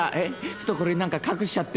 懐になんか隠しちゃって。